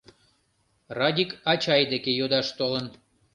— Радик ачай деке йодаш толын.